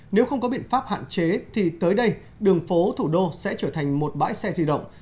nếu không có biện pháp hạn chế thì tới đây đường phố thủ đô sẽ trở thành một bãi xe di động